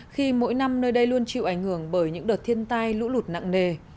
khi mỗi năm nơi đây luôn chịu ảnh hưởng bởi những đợt thiên tai lũ lụt nặng nề